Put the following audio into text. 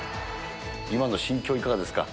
今の心境、いかがですか？